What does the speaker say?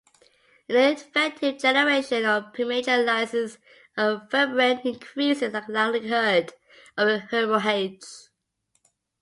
Ineffective generation or premature lysis of fibrin increases the likelihood of a hemorrhage.